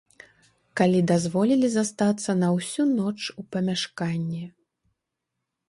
Калі дазволілі застацца на ўсю ноч у памяшканні.